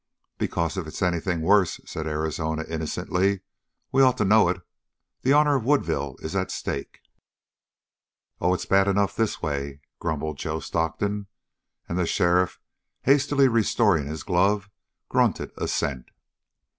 "Because if it's anything worse," said Arizona innocently, "we'd ought to know it. The honor of Woodville is at stake." "Oh, it's bad enough this way," grumbled Joe Stockton, and the sheriff, hastily restoring his glove, grunted assent.